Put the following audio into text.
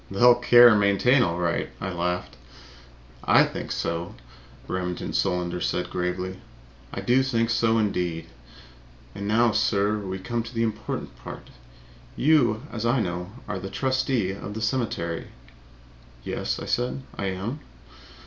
"They'll care and maintain, all right!" I laughed. "I think so," said Remington Solander gravely. "I do think so, indeed! And now, sir, we come to the important part. You, as I know, are a trustee of the cemetery." "Yes," I said, "I am."